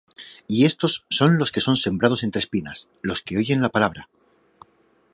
Y éstos son los que son sembrados entre espinas: los que oyen la palabra;